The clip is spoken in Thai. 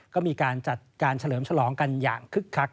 ก็มีการจัดการเฉลิมฉลองกันอย่างคึกคัก